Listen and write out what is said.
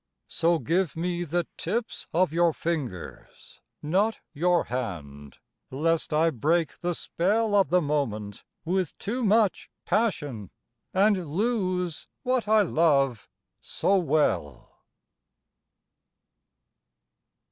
So give me the tips of your fingers, Not your hand, lest I break the spell Of the moment with too much passion, And lose what I love so well.